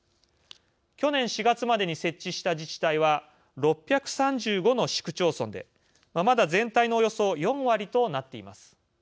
去年４月までに設置した自治体は６３５の市区町村でまだ全体のおよそ４割となっています。